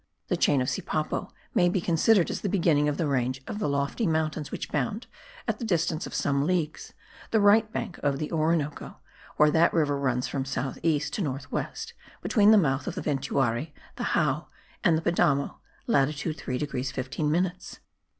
The chain of Sipapo may be considered as the beginning of the range of lofty mountains which bound, at the distance of some leagues, the right bank of the Orinoco, where that river runs from south east to north west, between the mouth of the Ventuari, the Jao and the Padamo (latitude 3 degrees 15 minutes).